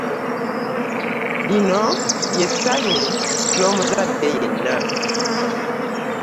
Lino lye ssanyu ly'omuzadde yenna.